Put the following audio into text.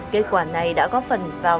kết quả này đã góp phần vào